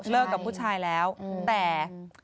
กับผู้ชายแล้วแต่